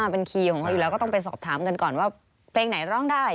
เป็นคีย์ของเขาอยู่แล้วก็ต้องไปสอบถามกันก่อนว่าเพลงไหนร้องได้